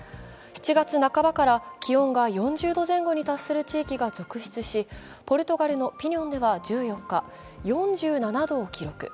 ７月半ばから気温が４０度前後に達する地域が続出しポルトガルのピニョンでは１４日、４７度を記録。